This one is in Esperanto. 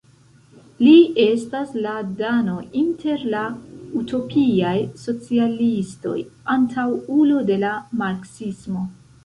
Li estas la Dano inter la “utopiaj socialistoj”, antaŭulo de la marksismo.